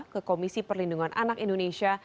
ke komisi perlindungan anak indonesia